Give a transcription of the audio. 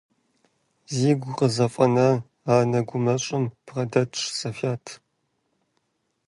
Зигу къызэфӀэна анэ гумащӀэм бгъэдэтщ Софят.